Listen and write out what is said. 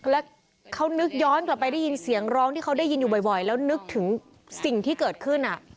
แล้วเขานึกย้อนกลับไปได้ยินเสียงร้องที่เขาได้ยินอยู่บ่อยแล้วนึกถึงสิ่งที่เกิดขึ้น